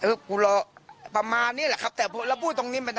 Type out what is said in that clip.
เออกูรอประมาณนี้แหละครับแต่พอเราพูดตรงนี้มันน่ะ